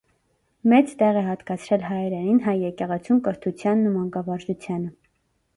Մեծ տեղ է հատկացրել հայերենին, հայ եկեղեցուն, կրթությանն ու մանկավարժությանը։